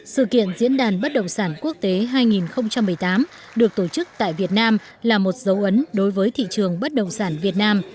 sự kiện diễn đàn bất động sản quốc tế hai nghìn một mươi tám được tổ chức tại việt nam là một dấu ấn đối với thị trường bất động sản việt nam